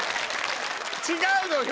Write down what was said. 違うのよ！